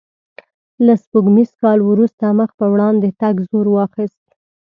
له سپوږمیز کال وروسته مخ په وړاندې تګ زور واخیست.